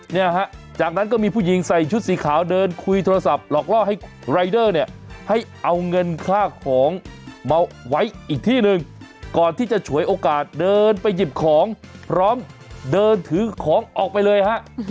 เนี่ยฮะจากนั้นก็มีผู้หญิงใส่ชุดสีขาวเดินคุยโทรศัพท์หลอกล่อให้รายเดอร์เนี่ยให้เอาเงินค่าของมาไว้อีกที่หนึ่งก่อนที่จะฉวยโอกาสเดินไปหยิบของพร้อมเดินถือของออกไปเลยฮะ